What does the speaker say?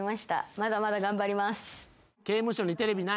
まだまだ頑張ります。